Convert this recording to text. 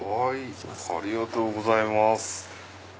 ありがとうございます。